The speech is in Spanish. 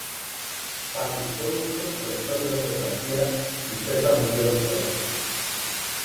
Participó en cursos con Antonio López García y Cesar Muñoz Sola.